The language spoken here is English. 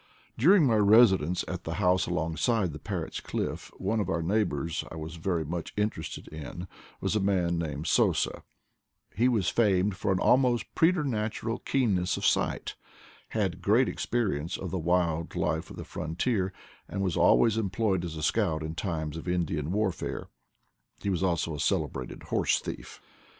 During my residence at the house alongside the Parrot's Cliff, one of our neighbors I was very 96 IDLE DAYS IN PATAGONIA much interested in was a man named Sosa, He was famed for an almost preternatural keenness of sight, had great experience of the wild life of the frontier, and was always employed as a scout in times of Indian warfare. He was also a cele brated horse thief.